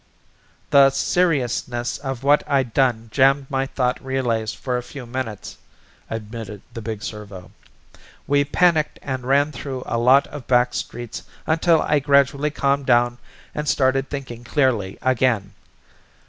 "The seriousness of what I'd done jammed my thought relays for a few minutes," admitted the big servo. "We panicked and ran through a lot of back streets until I gradually calmed down and started thinking clearly again.